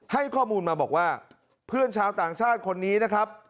ให้ข้อมูลมาบอกว่าเพื่อนชาวต่างชาติคนนี้นะครับ